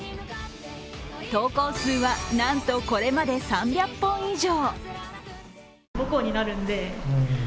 投稿数は、なんとこれまで３００本以上。